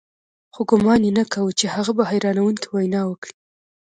خو ګومان يې نه کاوه چې هغه به حيرانوونکې وينا وکړي.